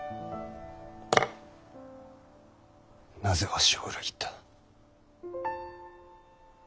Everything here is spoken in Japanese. なぜわしを裏切った。